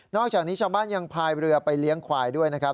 อกจากนี้ชาวบ้านยังพายเรือไปเลี้ยงควายด้วยนะครับ